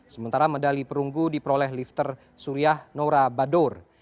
sementara medali perunggu diperoleh lifter suryah nora badur